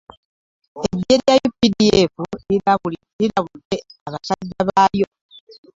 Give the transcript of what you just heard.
Eggye lya UPDF lirabudde basajja baalyo